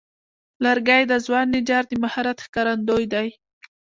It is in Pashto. لرګی د ځوان نجار د مهارت ښکارندوی دی.